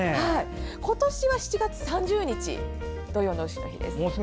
今年は７月３０日が土用の丑の日です。